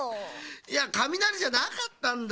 いやかみなりじゃなかったんだ。